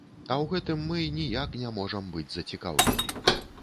А ў гэтым мы ніяк не можам быць зацікаўлены.